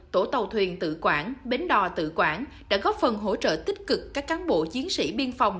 tổ tàu thuyền tự quản bến đò tự quản đã góp phần hỗ trợ tích cực các cán bộ chiến sĩ biên phòng